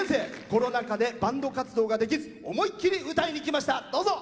コロナ禍でバンド活動ができず思い切り歌いに来ました。